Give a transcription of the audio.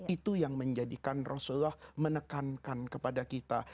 itu yang menjadikan rasulullah menekankan kepada kita